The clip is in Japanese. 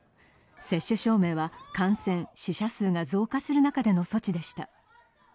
接種証明は感染・死者数が増加する中での措置でした。